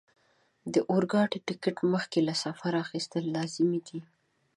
د اورګاډي ټکټ مخکې له سفره اخیستل لازمي دي.